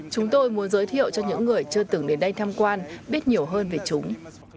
chúng tôi muốn giới thiệu cho những người chưa từng đến đây tham quan biết nhiều hơn về chúng